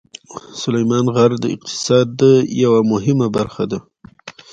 سلیمان غر د اقتصاد یوه مهمه برخه ده.